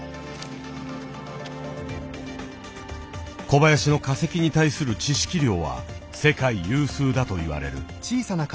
小林の化石に対する知識量は世界有数だと言われる。